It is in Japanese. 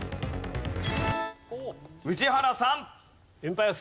宇治原さん。